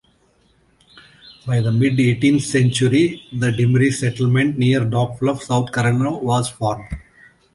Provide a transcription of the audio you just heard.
By the mid-eighteenth century, the Dimery settlement, near Dog Bluff, South Carolina, was formed.